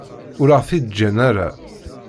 Ur aɣ-t-id-ǧǧan ara.